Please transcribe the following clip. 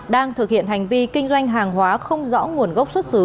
đang thực hiện hành vi kinh doanh hàng hóa không rõ nguồn gốc xuất xứ